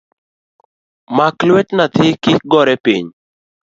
Mak lwet nyathi kik gore piny.